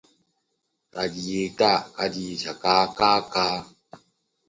John Schneider and Tanya Tucker.